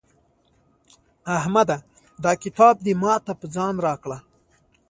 احمده دا کتاب دې ما ته په ځان راکړه.